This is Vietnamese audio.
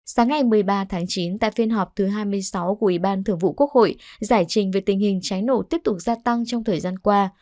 sáng ngày một mươi ba tháng chín tại phiên họp thứ hai mươi sáu của ủy ban thường vụ quốc hội giải trình về tình hình cháy nổ tiếp tục gia tăng trong thời gian qua